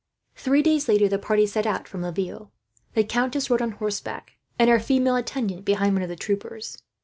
Three days later, the party set out from Laville. The countess rode on horseback, and her female attendant en croupe behind one of the troopers.